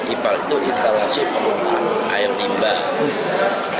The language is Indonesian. ipal itu instalasi pengolahan air limbah